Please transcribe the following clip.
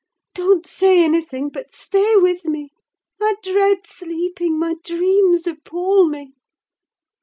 Don't say anything; but stay with me. I dread sleeping: my dreams appal me."